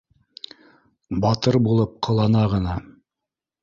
Батыр булып ҡылана ғына